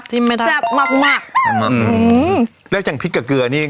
ชิมไม่ได้ส้าปมากมากอืมเรียกจากพริกกับเกลือนี่